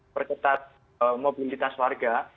perketat mobilitas warga